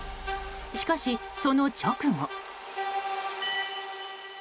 しかし、その直後。